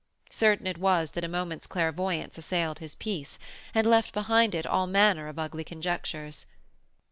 Certain it was that a moment's clairvoyance assailed his peace, and left behind it all manner of ugly conjectures.